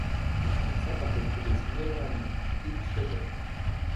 Il commença par recruter son meilleur ami, Pete Shotton.